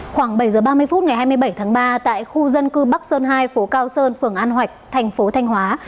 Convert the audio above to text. khoảng bảy h ba mươi phút ngày hai mươi bảy tháng ba tại khu dân cư bắc sơn hai phố cao sơn phường an hoạch thành phố thanh hóa